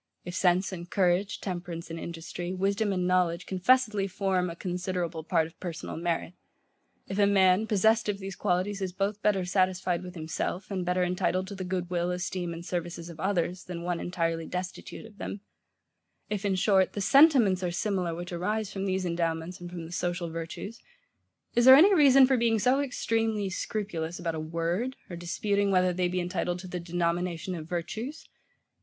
If sense and courage, temperance and industry, wisdom and knowledge confessedly form a considerable part of PERSONAL MERIT: if a man, possessed of these qualities, is both better satisfied with himself, and better entitled to the good will, esteem, and services of others, than one entirely destitute of them; if, in short, the SENTIMENTS are similar which arise from these endowments and from the social virtues; is there any reason for being so extremely scrupulous about a WORD, or disputing whether they be entitled to the denomination of virtues?